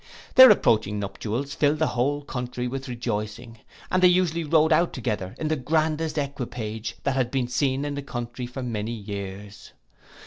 Their approaching nuptials filled the whole country with rejoicing, and they usually rode out together in the grandest equipage that had been seen in the country for many years.